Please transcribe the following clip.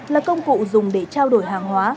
là công cụ dùng để trao đổi hàng hóa